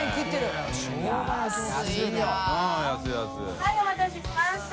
はいお待たせしました。